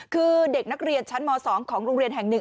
คือเด็กนักเรียนชั้นม๒ของโรงเรียนแห่งหนึ่ง